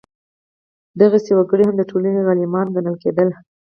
دغسې وګړي هم د ټولنې غلیمان ګڼل کېدل.